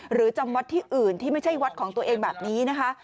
หรือจำวัดที่อื่นที่ไม่ใช่วัดของตัวเองแบบนี้นะคะ